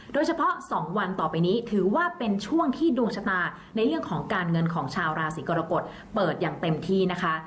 โดยเฉพาะ๒วันต่อไปนี้ถือว่าเป็นช่วงที่ดวงชะตาในเรื่องของการเงินของชาวราศีกรกฎเปิดอย่างเต็มที่นะคะ